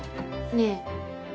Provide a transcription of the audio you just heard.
ねえ。